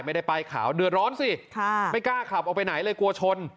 ไม่ได้ป้ายขาวเดือดร้อนสิไม่กล้าขับออกไปไหนเลยกลัวชน